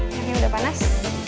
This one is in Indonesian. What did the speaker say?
anjirnya udah panas